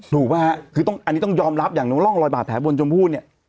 ถูกป่ะฮะคือต้องอันนี้ต้องยอมรับอย่างร่องรอยบาดแผลบนชมพู่เนี่ย